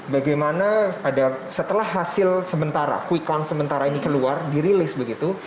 bagaimana setelah hasil sementara quick count sementara ini keluar dirilis begitu